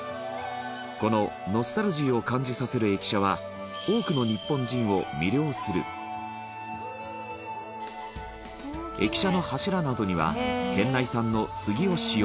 このノスタルジーを感じさせる駅舎は多くの日本人を魅了する駅舎の柱などには県内産の杉を使用